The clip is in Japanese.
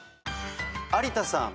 有田さん。